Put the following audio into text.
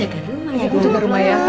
saya di rumah ya